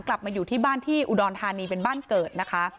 กลับมาอยู่ที่บ้านที่อุดรธานีเป็นบ้านเกิดนะคะ